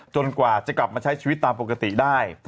กว่าจะกลับมาใช้ชีวิตตามปกติได้